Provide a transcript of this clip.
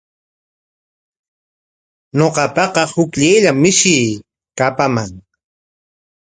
Ñuqapaqa hukllayllam mishii kapaman.